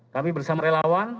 kami bersama relawan